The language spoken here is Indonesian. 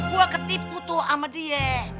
gue ketipu tuh sama dia